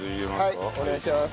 はいお願いします。